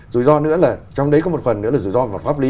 rủi ro nữa là trong đấy có một phần nữa là rủi ro về mặt pháp lý